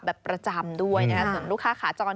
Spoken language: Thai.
ประจำด้วยนะคะส่วนลูกค้าขาจร